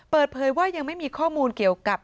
เปิดเผยว่ายังไม่มีข้อมูลเกี่ยวกับ